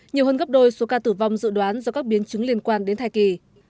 nhiều hơn gấp đôi số ca tử vong dự đoán do các biến chứng liên quan đến thai kỳ